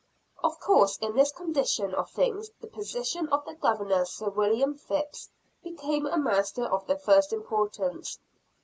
Of course in this condition of things, the position of the Governor, Sir William Phips, became a matter of the first importance.